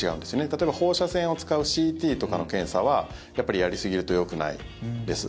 例えば放射線を使うＣＴとかの検査はやっぱりやりすぎるとよくないです。